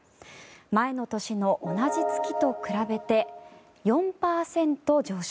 前の年の同じ月と比べて４％上昇。